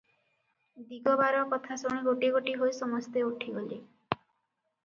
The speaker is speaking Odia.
ଦିଗବାର କଥା ଶୁଣି ଗୋଟି ଗୋଟି ହୋଇ ସମସ୍ତେ ଉଠିଗଲେ ।